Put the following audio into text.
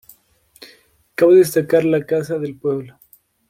Cabe destacar la Casa del Pueblo.